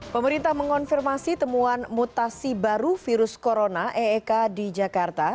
pemerintah mengonfirmasi temuan mutasi baru virus corona eek di jakarta